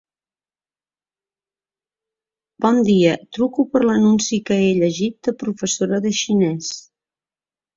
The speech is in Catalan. Bon dia. Truco per l'anunci que he llegit de professora de xinès.